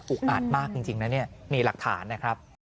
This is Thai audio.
อาจมากจริงนะเนี่ยมีหลักฐานนะครับ